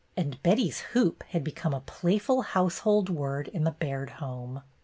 And "Betty's hoop" had become a playful household word in the Baird home.